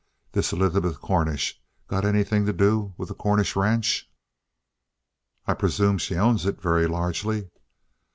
This Elizabeth Cornish got anything to do with the Cornish ranch?" "I presume she owns it, very largely."